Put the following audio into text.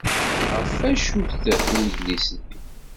Ɣef wacu-t udlis-nni?